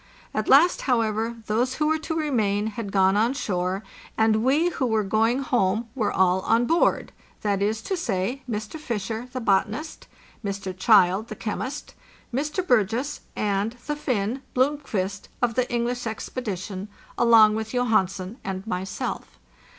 At last, however, those who were to remain had gone on shore, and we who were going home were all on board —that is to say, Mr. Fisher, the botanist; Mr. Child, the chemist; Mr. Burgess; and the Finn, Blomqvist, of the English expedition, along with Johansen and myself.